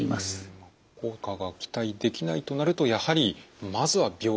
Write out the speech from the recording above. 効果が期待できないとなるとやはりまずは病院にと。